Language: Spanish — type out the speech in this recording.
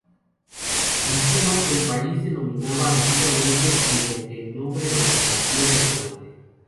En chino, el país se denominaba antiguamente mediante el nombre de la dinastía gobernante.